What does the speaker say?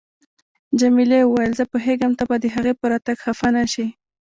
جميلې وويل: زه پوهیږم ته به د هغې په راتګ خفه نه شې.